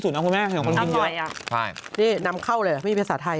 สาหร่ายยำเจอยังสีอะไร